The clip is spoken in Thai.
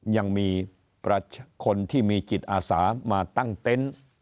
ยังมีคนที่มีจิตอาสามาตั้งเต้น